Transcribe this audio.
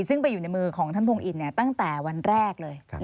ซึ่งไปอยู่ในมือของท่านพงอินตั้งแต่วันแรกเลย